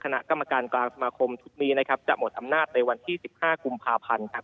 คณะกรรมการกลางสมาคมทุกมีจะหมดอำนาจในวันที่๑๕กุมภาพันธุ์